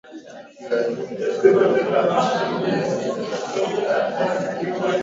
Huku wanajeshi wengine wakiachishwa kazi na wengine wakishtakiwa